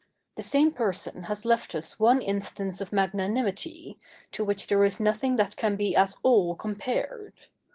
The same person has left us one instance of magnanimity, to which there is nothing that can be at all compared.